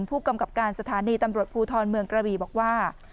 ผู้กำกับการสถานีตำรวจภูทรเมืองกระบีบอกว่า